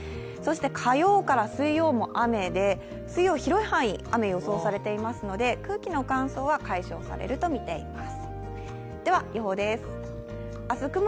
火曜から水曜も雨で水曜、広い範囲雨が予想されていますので、空気の乾燥は解消されるとみています。